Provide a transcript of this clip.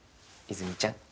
和泉ちゃん。